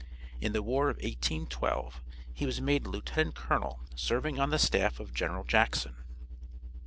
In the war of 1812 he was made a lieutenant colonel, serving on the staff of General Jackson.